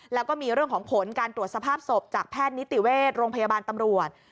แล้วก็มีเรื่องของผลการตรวจสภาพศพจากแพทย์นิติเวชโรงพยาบาลตำรวจ